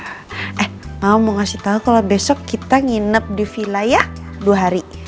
eh mama mau ngasih tau kalo besok kita nginep di villa ya dua hari